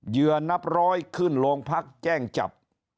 เหยื่อนับร้อยขึ้นโรงพักแจ้งจับ